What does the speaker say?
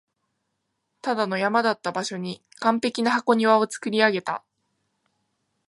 ただの山だった場所に完璧な箱庭を造り上げた